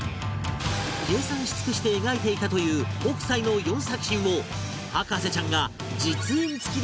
計算し尽くして描いていたという北斎の４作品を博士ちゃんが実演つきで解説